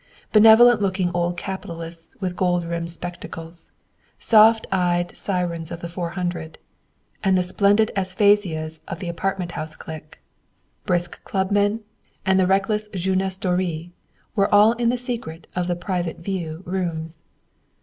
Benevolent looking old capitalists with gold rimmed spectacles; soft eyed sirens of the Four Hundred, and the splendid Aspasias of the apartment house clique, brisk clubmen, and the reckless jeunesse doreé, were all in the secret of the "private view" rooms.